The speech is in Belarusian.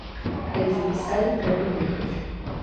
Калі запісалі, трэба ехаць.